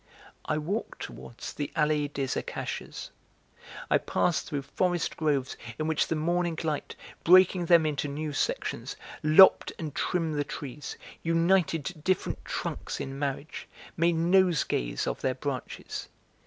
I walked towards the Allée des Acacias. I passed through forest groves in which the morning light, breaking them into new sections, lopped and trimmed the trees, united different trunks in marriage, made nosegays of their branches.